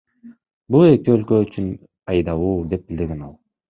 Бул эки өлкө үчүн пайдалуу, — деп билдирген ал.